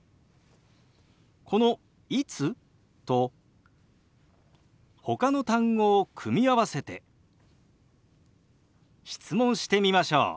この「いつ？」とほかの単語を組み合わせて質問してみましょう。